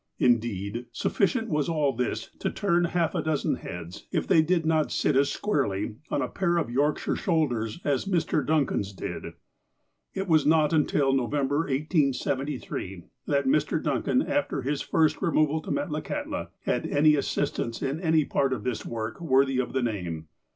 Indeed, sufScient was all this to turn half a dozen heads, if they did not sit as squarely on a pair of Yorkshire shoulders, as Mr, Duncan's did. It was not until November, 1873, that Mr. Duncan, after his first removal to Metlakahtla, had any assistance in any part of his work worthy of the name.